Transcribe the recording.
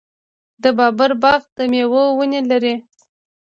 د بابر باغ د میوو ونې لري.